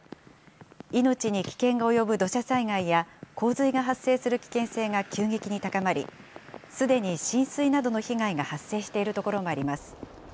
命に危険が及ぶ土砂災害や、洪水が発生する危険性が急激に高まり、すでに浸水などの被害が発生している所もあります。